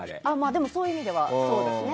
でもそういう意味ではそうですね。